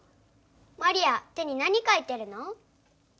マリア手に何かいてるの？